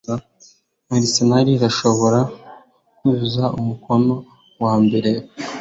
Arsenal irashobora kuzuza umukono wambere